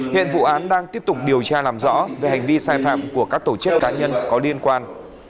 hiện vụ án đang tiếp tục điều tra làm rõ về hành vi sai phạm của các tổ chức cá nhân có liên quan